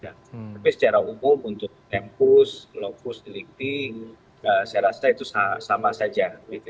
tapi secara umum untuk tempus lokus delikting saya rasa itu sama saja